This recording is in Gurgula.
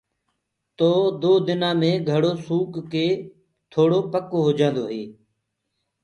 تو دو دن مي گھڙو سوڪ ڪآ توڙو پڪو هوجآندو هآ۔